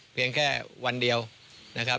เพียงแค่วันเดียวนะครับ